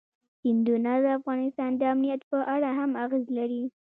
سیندونه د افغانستان د امنیت په اړه هم اغېز لري.